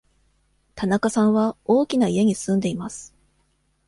田中さんは大きな家に住んでいます。